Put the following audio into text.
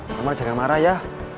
nonmel jangan marah ya